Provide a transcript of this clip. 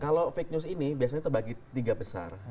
kalau fake news ini biasanya terbagi tiga besar